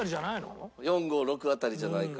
「４５６辺りじゃないか」。